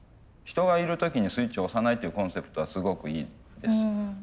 人がいる時にスイッチを押さないというコンセプトはすごくいいです。